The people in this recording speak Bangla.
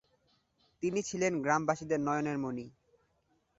তিনি ছিলেন গ্রামবাসীদের নয়নের মণি।